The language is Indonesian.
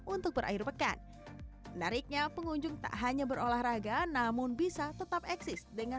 untuk berakhir pekan menariknya pengunjung tak hanya berolahraga namun bisa tetap eksis dengan